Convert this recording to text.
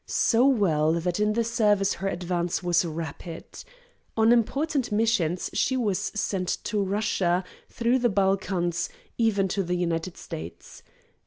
So well that in the service her advance was rapid. On important missions she was sent to Russia, through the Balkans; even to the United States.